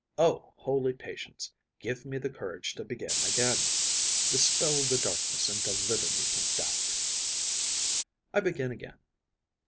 O holy patience, give me the courage to begin again! Dispel the darkness and deliver me from doubt! I begin again.